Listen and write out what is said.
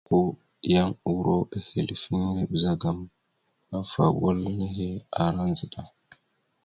Koləko yan uro ehelefiŋere ɓəzagaam afa wal nehe ara ndzəɗa.